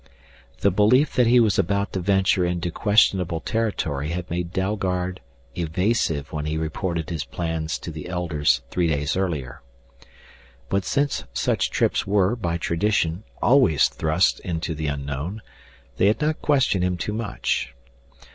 The belief that he was about to venture into questionable territory had made Dalgard evasive when he reported his plans to the Elders three days earlier. But since such trips were, by tradition, always thrusts into the unknown, they had not questioned him too much.